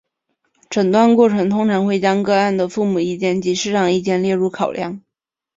诊断过程通常会将个案的父母意见及师长意见列入考量。